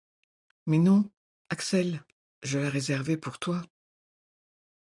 Mais non, Axel, je la réservais pour toi.